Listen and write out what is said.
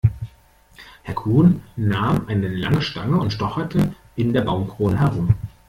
Herr Kuhn nahm eine lange Stange und stocherte in der Baumkrone herum.